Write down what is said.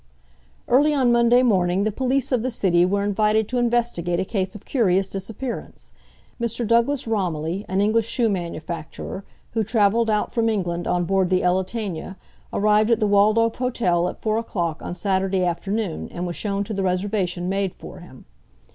Early on Monday morning, the police of the city were invited to investigate a case of curious disappearance. Mr. Douglas Romilly, an English shoe manufacturer, who travelled out from England on board the Elletania, arrived at the Waldorf Hotel at four o'clock on Saturday afternoon and was shown to the reservation made for him.